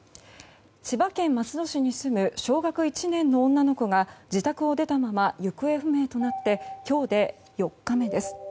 千葉県松戸市に住む小学１年の女の子が自宅を出たまま行方不明になって今日で４日目です。